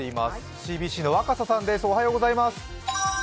ＣＢＣの若狭さんです。